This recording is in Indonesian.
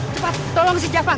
cepat tolong si javan